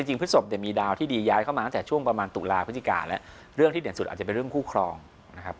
พฤศพเนี่ยมีดาวที่ดีย้ายเข้ามาตั้งแต่ช่วงประมาณตุลาพฤศจิกาแล้วเรื่องที่เด่นสุดอาจจะเป็นเรื่องคู่ครองนะครับ